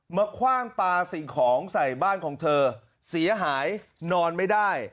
คว่างปลาสิ่งของใส่บ้านของเธอเสียหายนอนไม่ได้